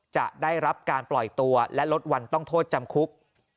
จะได้รับการปล่อยตัวและลดวันต้องโทษจำคุก